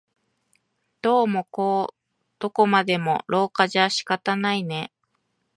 どうもこうどこまでも廊下じゃ仕方ないね